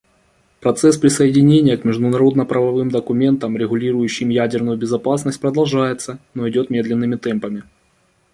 Процесс присоединения к международно-правовым документам, регулирующим ядерную безопасность, продолжается, но идет медленными темпами.